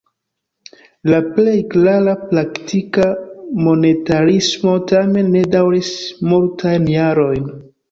La plej klara praktika monetarismo tamen ne daŭris multajn jarojn.